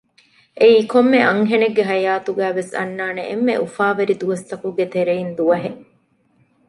އެއީ ކޮންމެ އަންހެނެއްގެ ހަޔާތުގައިވެސް އަންނާނެ އެންމެ އުފާވެރި ދުވަސްތަކުގެ ތެރެއިން ދުވަހެއް